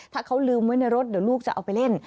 ถ้าเขาลืมไว้ในรถเดี๋ยวลูกจะเอาไปเล่น